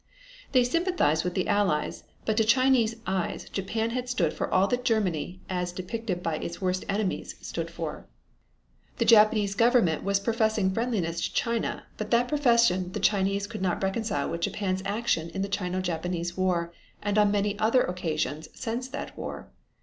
They sympathized with the Allies, but to Chinese eyes Japan has stood for all that Germany, as depicted by its worst enemies, stood for. The Japanese Government was professing friendliness to China, but that profession the Chinese could not reconcile with Japan's action in the Chino Japanese War, and on many other occasions since that war.